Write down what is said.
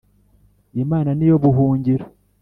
Imana niyo buhungiro